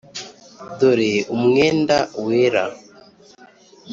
dore umwenda wera,